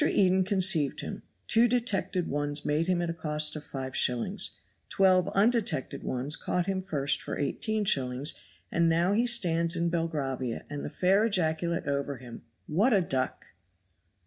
Eden conceived him, two detected ones made him at a cost of 5s., twelve undetected ones caught him first for 18s., and now he stands in Belgravia, and the fair ejaculate over him, "What a duck!"